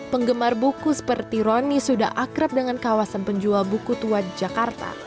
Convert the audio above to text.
penggemar buku seperti roni sudah akrab dengan kawasan penjual buku tua di jakarta